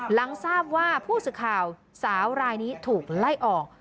หลังทราบว่าผู้สื่อข่าวสาวรายนี้ถูกไล่ออก